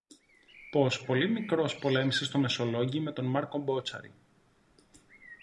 πως πολύ μικρός πολέμησε στο Μεσολόγγι με τον Μάρκο Μπότσαρη.